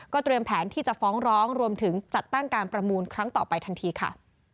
เตรียมแผนที่จะฟ้องร้องรวมถึงจัดตั้งการประมูลครั้งต่อไปทันทีค่ะ